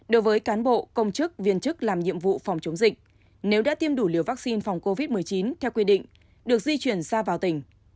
đối với cán bộ công chức viên chức làm nhiệm vụ phòng chống dịch nếu đã tiêm đủ liều vaccine phòng covid một mươi chín theo quy định được di chuyển xa vào tỉnh